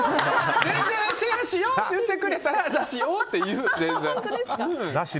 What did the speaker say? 全然シェアしようって言ってくれたらしようって言う、全然。